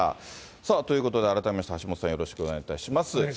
さあ、ということで改めまして橋下さん、よろしくお願いいたします。